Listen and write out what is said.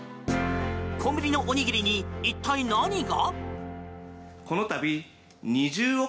コンビニのおにぎりに一体、何が！？